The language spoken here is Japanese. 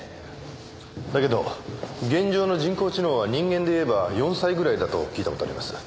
だけど現状の人工知能は人間でいえば４歳ぐらいだと聞いた事あります。